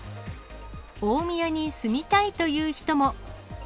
大宮に住みたいという人も。